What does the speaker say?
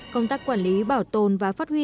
công tác quản lý bảo tồn và phát huy